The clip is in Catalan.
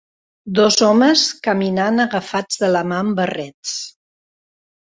Dos homes caminant agafats de la mà amb barrets.